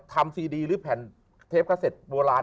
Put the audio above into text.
ทำซีดีหรือแผ่นเทปกัสเซ็ตโบราณ